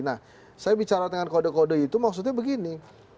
nah saya bicara dengan kode kode itu maksudnya begini